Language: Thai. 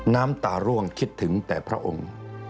น้ำตาร่วงคิดถึงแต่พระองค์